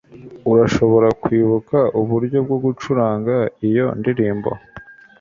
Urashobora kwibuka uburyo bwo gucuranga iyo ndirimbo